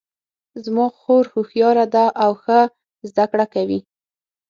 زما خور هوښیاره ده او ښه زده کړه کوي